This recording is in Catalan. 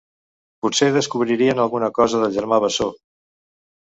Potser descobririen alguna cosa del germà bessó.